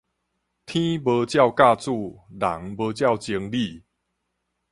天無照甲子，人無照情理